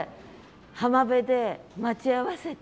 浜辺で待ち合わせて。